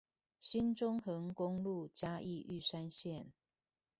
新中橫公路嘉義玉山線